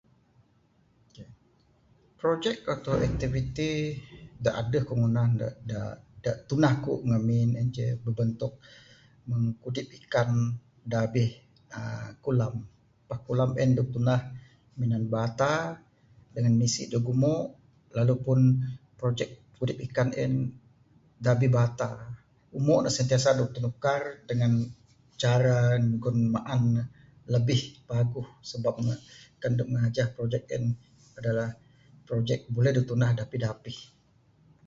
Projek ato aktiviti da adeh ku ngunah da da tunah ku ngamin en ceh berbentuk kudip ikan da abih uhh kulam. Kulam en dog tunah minan bata dangan nisi dog umo lalu pun projek kudip ikan en da abih bata umo ne sentiasa dog tinukar dangan cara nyugon maan ne labih paguh, sabab ne ngajah projek en adalah projek buleh dog tunah dapih dapih